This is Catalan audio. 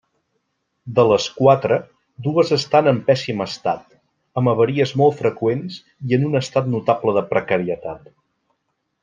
De les quatre, dues estan en pèssim estat, amb avaries molt freqüents i en un estat notable de precarietat.